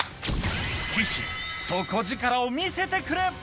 岸底力を見せてくれ！